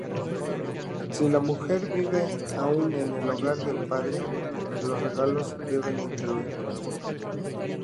Si la mujer vive aun en el hogar del padre, los regalos deben incluirlo.